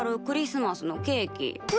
クリスマスのケーキ。